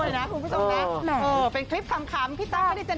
ไม่ต้องนะเป็นคลิปคำพี่ตั๊กไม่ได้จะหนีมา